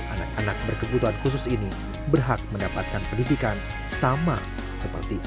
anak anak berkebutuhan khusus ini berhak mendapatkan pendidikan sama sepertinya